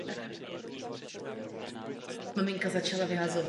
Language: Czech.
Druhou pozici pak uhájil až do cíle.